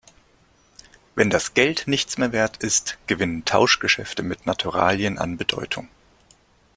Wenn das Geld nichts mehr Wert ist, gewinnen Tauschgeschäfte mit Naturalien an Bedeutung.